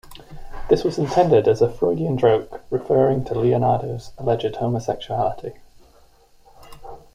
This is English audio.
This was intended as a Freudian joke, referring to Leonardo's alleged homosexuality.